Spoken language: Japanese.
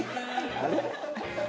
あれ？